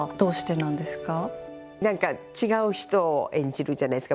なんか違う人を演じるじゃないですか